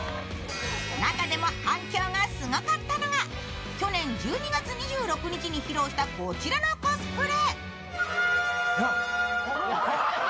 中でも反響がすごかったのが去年１２月２６日に披露したこちらのコスプレ。